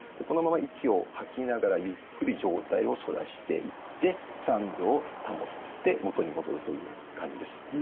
このまま息を吐きながらゆっくり上体を反らしていって３秒保って元に戻るという感じです。